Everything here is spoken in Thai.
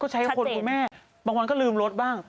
ใช้คนคุณแม่บางวันก็ลืมรถบ้าง